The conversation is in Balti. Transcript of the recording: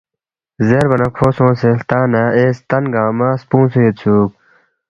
زیربا نہ کھو سونگسے ہلتا نہ اے ستن ژھنگمہ سپُونگسے یودسُوک